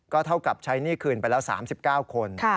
เท่ากับใช้หนี้คืนไปแล้ว๓๙คน